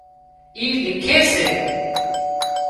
اِي لِکي سي